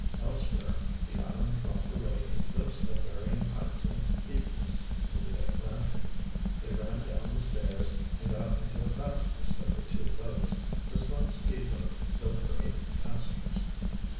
Elsewhere, the island dropped away in cliffs of varying heights and steepness to the Atlantic. They ran down the stairs and got into the fastest of the two boats, a slim speedboat built for eight passengers.